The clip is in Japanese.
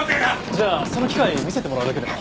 じゃあその機械見せてもらうだけでも。